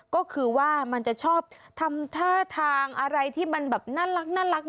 ก็คือว่ามันจะชอบทำท่าทางอะไรที่มันแบบน่ารัก